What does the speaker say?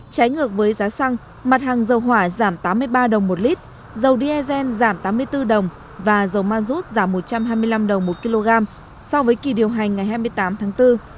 trái ngược với giá xăng mặt hàng dầu hỏa giảm tám mươi ba đồng một lít dầu diesel giảm tám mươi bốn đồng và dầu ma rút giảm một trăm hai mươi năm đồng một kg so với kỳ điều hành ngày hai mươi tám tháng bốn